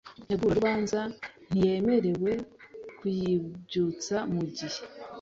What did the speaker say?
ntegurarubanza ntiyemerewe kuyibyutsa mu gihe